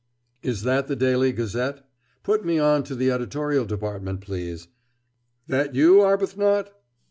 "Is that the Daily Gazette?... Put me on to the editorial department, please.... That you, Arbuthnot?